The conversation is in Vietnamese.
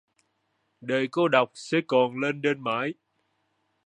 Đời cô độc sẽ còn lênh đênh mãi